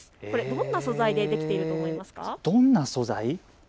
どんな素材でできていると思いますか。